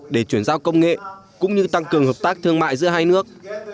để chuyển giao công nghệ cũng như tăng cường hợp tác thương mại giữa hai nước